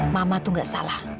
mama itu gak salah